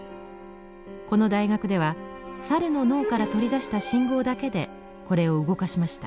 この大学ではサルの脳から取り出した信号だけでこれを動かしました。